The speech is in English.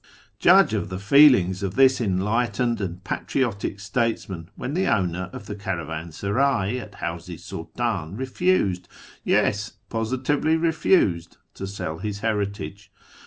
Judge of the feelings of this enlightened and patriotic statesman when the owner of the caravansaray at Hawz i Sult:in refused — yes, positively refused — to sell his heritage.